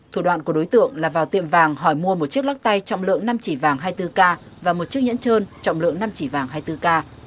thủ đoạn của đối tượng là vào tiệm vàng hỏi mua một chiếc lắc tay trọng lượng năm chỉ vàng hai mươi bốn k và một chiếc nhẫn trơn trọng lượng năm chỉ vàng hai mươi bốn k